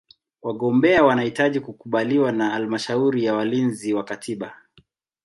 Wagombea wanahitaji kukubaliwa na Halmashauri ya Walinzi wa Katiba.